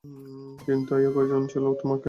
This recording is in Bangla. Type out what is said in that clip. কিন্তু, আইয়োর প্রয়োজন ছিল তোমাকে।